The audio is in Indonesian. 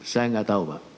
saya enggak tahu pak